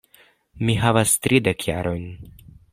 Mi havas tridek jarojn.